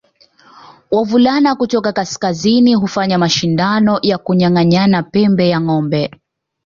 Wavulana kutoka kaskazini hufanya mashindano ya kunyanganyana pembe ya ngombe